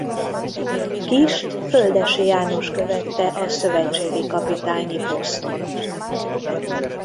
Kisst Földessy János követte a szövetségi kapitányi poszton.